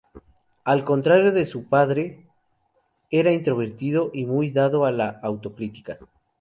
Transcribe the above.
Al contrario de su padre, era introvertido y muy dado a la autocrítica.